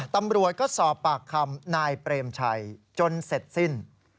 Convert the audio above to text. ตำรวจก็สอบปากคำนายเปรมชัยจนเสร็จสิ้น